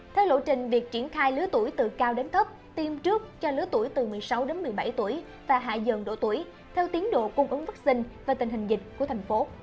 theo lộ trình việc triển khai lứa tuổi từ cao đến thấp tiêm trước cho lứa tuổi từ một mươi sáu đến một mươi bảy tuổi và hạ dần độ tuổi theo tiến độ cung ứng vaccine và tình hình dịch của thành phố